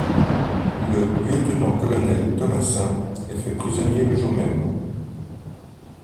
Le lieutenant-colonel Thomassin est fait prisonnier le jour même.